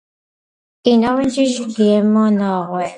კინოჸვენჯიში გიმო ნოღვე